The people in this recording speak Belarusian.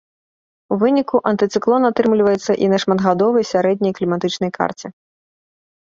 У выніку антыцыклон атрымліваецца і на шматгадовай сярэдняй кліматычнай карце.